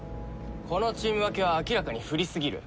このチーム分けは明らかに不利すぎる。